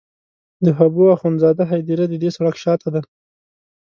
د حبو اخند زاده هدیره د دې سړک شاته ده.